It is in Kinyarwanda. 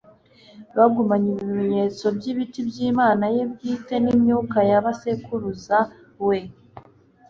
yagumanye ibimenyetso by'ibiti by'imana ye bwite n'imyuka ya basekuruza. we